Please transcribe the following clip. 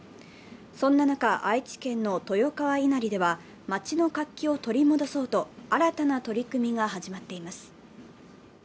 そんな中、愛知県の豊川稲荷では町の活気を取り戻そうと新たな取り組みが始まっています。